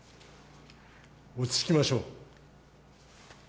落ち着きましょう。